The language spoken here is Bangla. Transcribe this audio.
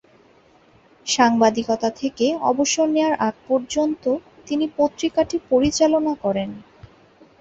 সাংবাদিকতা থেকে অবসর নেওয়ার আগ পর্যন্ত তিনি পত্রিকাটি পরিচালনা করেন।